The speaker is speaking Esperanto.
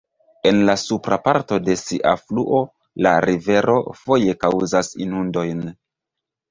En la supra parto de sia fluo la rivero foje kaŭzas inundojn.